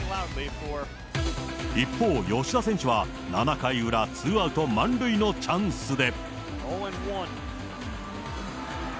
一方、吉田選手は７回裏、ツーアウト満塁のチャンスで。